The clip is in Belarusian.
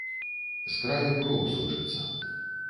З краю кроў сочыцца.